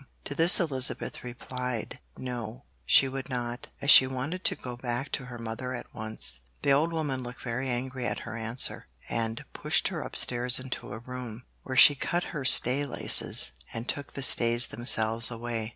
To this Elizabeth replied No; she would not, as she wanted to go back to her mother at once. The old woman looked very angry at her answer, and pushed her upstairs into a room, where she cut her stay laces, and took the stays themselves away.